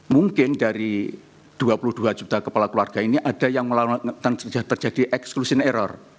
mungkin dari dua puluh dua juta kepala keluarga ini ada yang sudah terjadi exclusion error